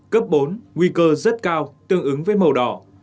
cấp bốn nguy cơ rất cao tương ứng với màu đỏ